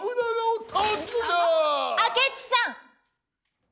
明智さん！